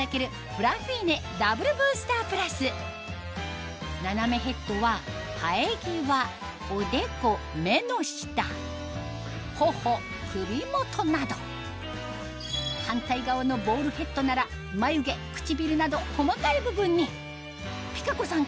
ブランフィーネダブルブースタープラス斜めヘッドは生え際おでこ目の下頬首元など反対側のボールヘッドなら眉毛唇など細かい部分にピカ子さん